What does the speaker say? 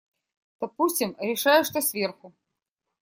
Допустим, решаю, что сверху.